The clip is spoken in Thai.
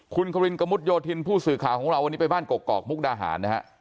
คุณควินกระมุดโยธินผู้สื่อข่าวของเราวันนี้ไปบ้านกกอกมุกดาหารนะฮะ